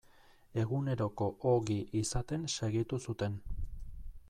Eguneroko ogi izaten segitu zuten.